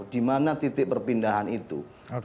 di mana titik perpindahan itu